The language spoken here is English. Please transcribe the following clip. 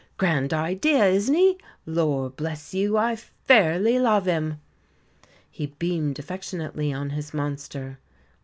Grand idea, isn't he? Lor' bless you, I fairly love him." He beamed affectionately on his monster.